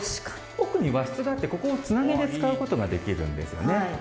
奥に和室があってここをつなげて使うことができるんですよね。